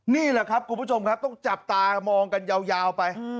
นี่แหละครับคุณผู้ชมครับต้องจับตามองกันยาวไป